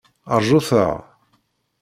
Rjut-aɣ!